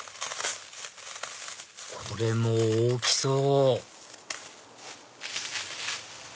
これも大きそう！